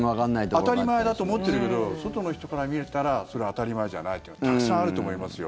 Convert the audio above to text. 当たり前だと思ってるけど外の人から見たらそれは当たり前じゃないっていうのはたくさんあると思いますよ。